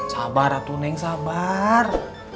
sabar atuneng sabar